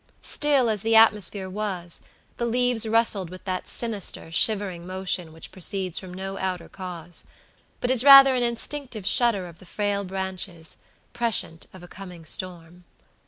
Still as the atmosphere was, the leaves rustled with that sinister, shivering motion which proceeds from no outer cause, but is rather an instinctive shudder of the frail branches, prescient of a coming storm.